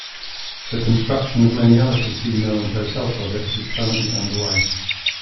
The construction of many other casino and hotel projects is currently underway.